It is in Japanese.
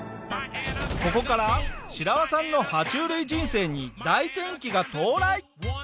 ここからシラワさんの爬虫類人生に大転機が到来。